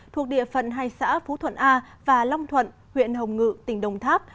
thuộc địa phận hai xã phú thuận a và long thuận huyện hồng ngự tỉnh đồng tháp